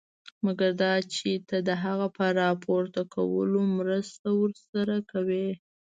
مګر دا چې ته د هغه په راپورته کولو مرسته ورسره کوې.